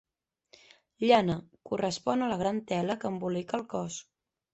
Llana: correspon a la gran tela que embolica el cos.